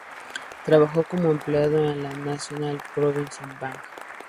Trabajó como empleado en el National Provincial Bank.